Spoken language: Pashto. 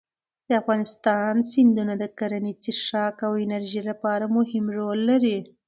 د افغانستان سیندونه د کرنې، څښاک او انرژۍ لپاره مهم رول لري.